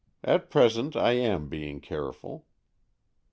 "At present I am being careful."